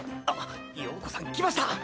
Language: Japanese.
あっ羊子さん来ました！